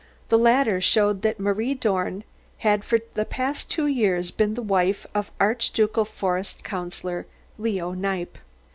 The latter showed that Marie Dorn had for two years past been the wife of the Archducal Forest Councillor, Leo Kniepp.